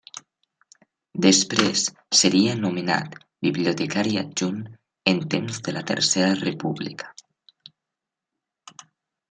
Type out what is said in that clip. Després seria nomenat bibliotecari adjunt en temps de la Tercera República.